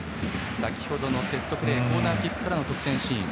先ほどのセットプレーコーナーキックからの得点シーン。